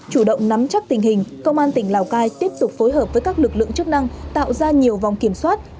chủ động nắm chắc tình hình công an tỉnh lào cai tiếp tục phối hợp với các lực lượng chức năng tạo ra nhiều vòng kiểm soát